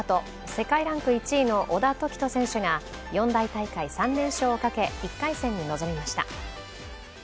世界ランク１位の小田凱人選手が四大大会３連勝をかけ、１回戦に臨みました。